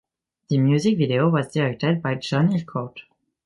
The music video was directed by John Hillcoat.